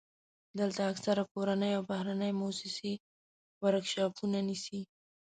دلته اکثره کورنۍ او بهرنۍ موسسې ورکشاپونه نیسي.